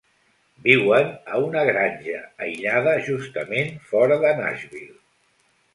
Viuen a una granja aïllada justament fora de Nashville.